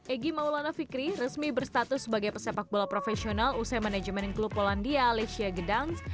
egy maulana fikri resmi berstatus sebagai pesepak bola profesional usai manajemen klub polandia lecia gedangs